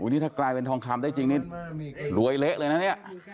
นี่ถ้ากลายเป็นทองคำได้จริงนี่รวยเละเลยนะเนี่ย